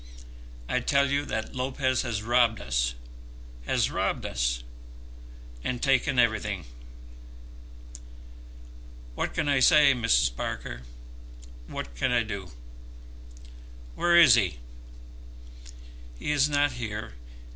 I tell you that Lopez has robbed us, has robbed us, and taken everything." "What can I say, Mrs. Parker; what can I do?" "Where is he?" "He is not here.